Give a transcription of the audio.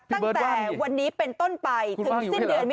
ตั้งแต่วันนี้เป็นต้นไปถึงสิ้นเดือน